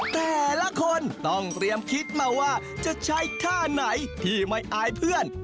แต่ละคนต้องเตรียมคิดมาว่าจะใช้ท่าไหนที่ไม่อายเพื่อน